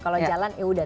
kalau jalan yaudah